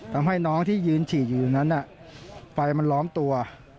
ทำให้น้องที่ยืนฉีดอยู่นั้นไฟมันล้อมตัว